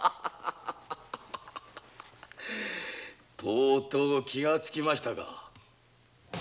とうとう気づきましたか。